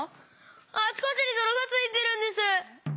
あちこちにどろがついてるんです。